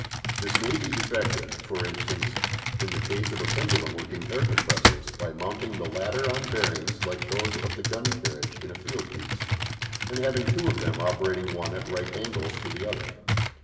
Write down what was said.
This may be effected, for instance, in the case of a pendulum working air compressors, by mounting the latter on bearings like those of the gun carriage in a field piece, and having two of them operating one at right angles to the other.